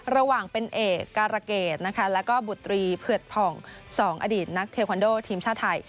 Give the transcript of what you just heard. ระหว่างเป็นเอกการะเกตและบุตรีเพื่อผ่อง๒อดีตนักเทควันโดทีมชาวไทย